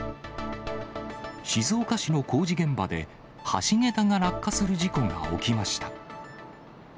静岡市の工事現場で、橋桁が落下する事故が起きました。